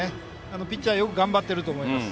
ピッチャーよく頑張っていると思います。